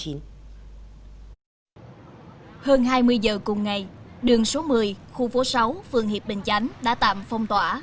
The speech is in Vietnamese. hơn hai mươi giờ cùng ngày đường số một mươi khu phố sáu phường hiệp bình chánh đã tạm phong tỏa